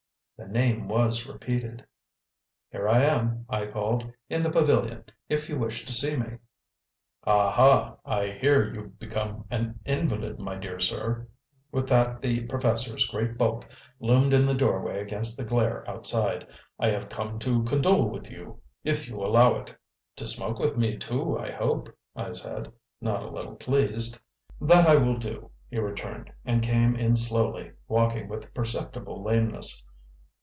The name was repeated. "Here I am," I called, "in the pavilion, if you wish to see me." "Aha! I hear you become an invalid, my dear sir." With that the professor's great bulk loomed in the doorway against the glare outside. "I have come to condole with you, if you allow it." "To smoke with me, too, I hope," I said, not a little pleased. "That I will do," he returned, and came in slowly, walking with perceptible lameness.